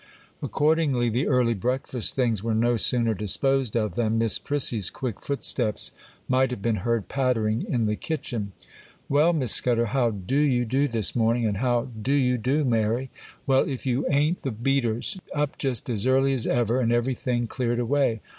Accordingly, the early breakfast things were no sooner disposed of than Miss Prissy's quick footsteps might have been heard pattering in the kitchen. 'Well, Miss Scudder, how do you do this morning? and how do you do, Mary? Well, if you aint the beaters! up just as early as ever, and everything cleared away!